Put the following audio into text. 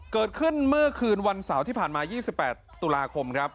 เกิดขึ้นเมื่อคืนวันเสาร์ที่ผ่านมา๒๘ตุลาคมครับ